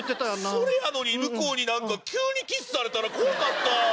それやのに向こうになんか急にキスされたら怖かった！